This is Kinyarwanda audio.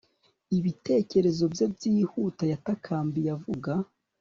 Ibitekerezo bye byihuta yatakambiye avuga